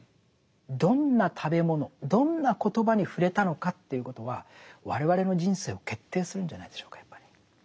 どんな食べ物どんなコトバに触れたのかということは我々の人生を決定するんじゃないでしょうかやっぱり。